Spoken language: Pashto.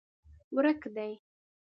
ورک دي